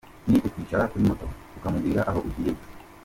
Ni ukwicara kuri moto ukamubwira aho ugiye gusa.